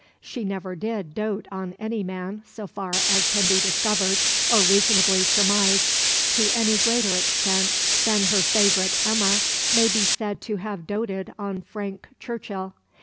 She never did "dote" on any man, so far as can be discovered or reasonably surmised, to any greater extent than her favourite Emma may be said to have "doted" on Frank Churchill.